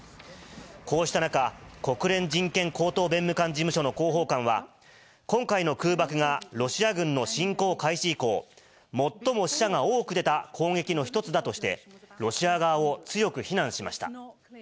こうした中、国連人権高等弁務官事務所の広報官は、今回の空爆がロシア軍の侵攻開始以降、最も死者が多く出た攻撃の一つだとして、ロシア側を強く非難しました。